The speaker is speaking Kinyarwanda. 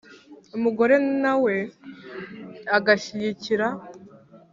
umugore na we agashyigikira